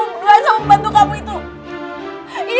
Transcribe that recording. berduaan sama membantu kamu itu